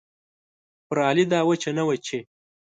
پر علي دا وچه نه وه چې